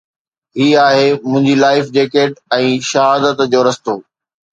هي آهي منهنجي life jacket ۽ شهادت جو رستو